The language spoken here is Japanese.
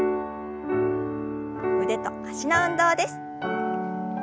腕と脚の運動です。